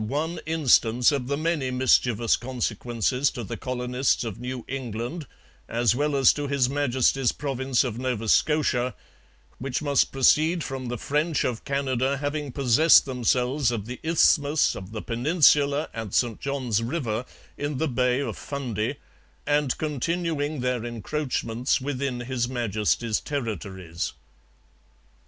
one instance of the many mischievous consequences to the colonists of New England as well as to His Majesty's Province of Nova Scotia which must proceed from the French of Canada having possessed themselves of the isthmus of the Peninsula and St John's river in the Bay of Fundy, and continuing their encroachments within His Majesty's territories.'